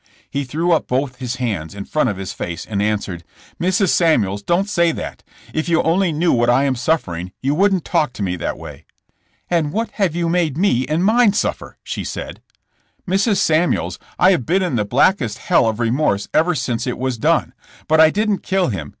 He threw up both his hands in front of his face and answered: "Mrs. Samuels, don't say that. If you only knew what I am suffering, you wouldn't talk to me that way." '' And what have you made me and mine suffer ?'' she said. "Mrs. Samuels, I have been in the blackest hell of remorse ever since it was done. But I didn't kill him.